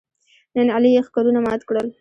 نن علي یې ښکرونه مات کړل.